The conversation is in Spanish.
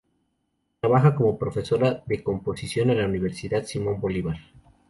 Trabaja como profesora de composición en la Universidad Simón Bolívar.